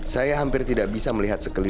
saya hampir tidak bisa melihat sekeliling